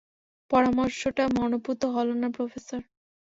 পরামর্শটা মনোঃপুত হলো না, প্রফেসর!